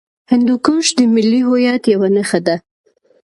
هندوکش د ملي هویت یوه نښه ده.